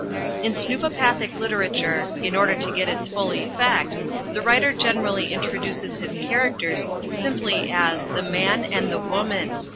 In snoopopathic literature, in order to get its full effect, the writer generally introduces his characters simply as "the man" and "the woman."